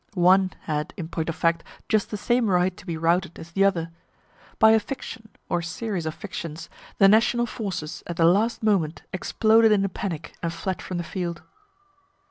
One had, in point of fact, just the same right to be routed as the other. By a fiction, or series of fictions, the national forces at the last moment exploded in a panic and fled from the field.)